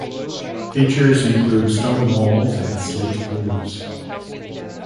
Features include stone walls and slate roofs.